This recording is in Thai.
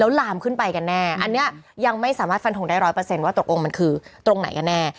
ลามขึ้นไปกันแน่อันนี้ยังไม่สามารถฟันทงได้ร้อยเปอร์เซ็นต์ว่าตกลงมันคือตรงไหนกันแน่